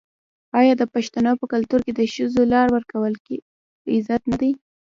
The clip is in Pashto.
آیا د پښتنو په کلتور کې د ښځو لار ورکول غیرت نه دی؟